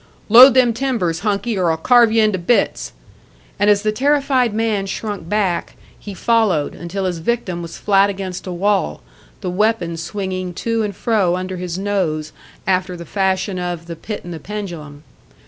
"Load them timbers, Hunkie, or I'll carve you into bits!" And as the terrified man shrunk back, he followed, until his victim was flat against a wall, the weapon swinging to and fro under his nose after the fashion of "The Pit and the Pendulum."